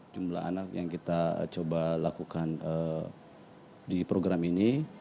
jumlah anak yang kita coba lakukan di program ini